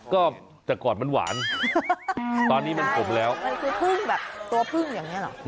ก็แต่ก่อนมันหวานตอนนี้มันขมแล้วมันคือพึ่งแบบตัวพึ่งอย่างนี้หรอ